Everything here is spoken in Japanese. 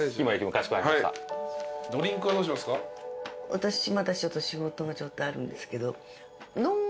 私まだ仕事がちょっとあるんですけど。